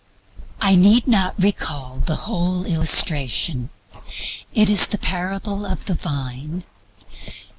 I need not recall the whole illustration. It is the parable of the Vine.